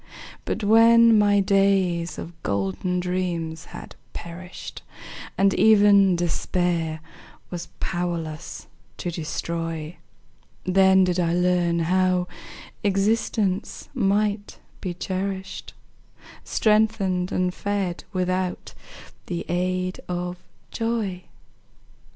But when my days of golden dreams had perished, And even Despair was powerless to destroy, Then did I learn how existence might be cherished, Strengthened and fed without the aid of joy.